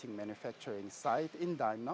tentang perusahaan di daino